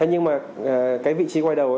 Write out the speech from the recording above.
nhưng mà vị trí quay đầu